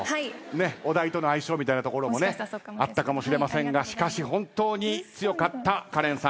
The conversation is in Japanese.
お題との相性みたいなところもねあったかもしれませんがしかし本当に強かったカレンさんです。